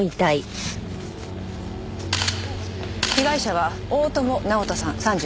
被害者は大友直登さん３８歳。